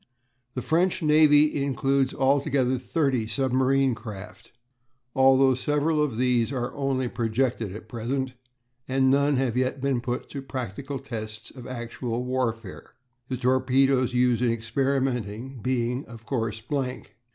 The French navy includes altogether thirty submarine craft, though several of these are only projected at present, and none have yet been put to the practical tests of actual warfare the torpedoes used in experimenting being, of course, blank.